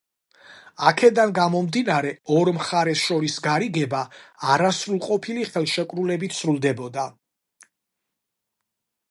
აქედან გამომდინარე ორ მხარეს შორის გარიგება, არასრულყოფილი ხელშეკრულებით სრულდება.